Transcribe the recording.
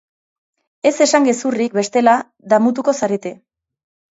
Ez esan gezurrik bestela damutuko zarete.